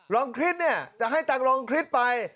ลองคริสเนี่ยจะให้ตังลองคริสไป